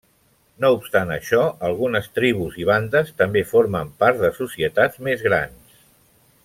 No obstant això, algunes tribus i bandes també formen part de societats més grans.